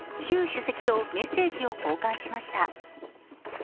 主席とメッセージを交換しました。